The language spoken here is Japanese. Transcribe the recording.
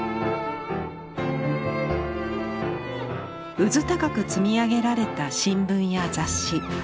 うずたかく積み上げられた新聞や雑誌。